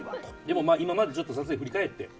今までちょっと撮影振り返って。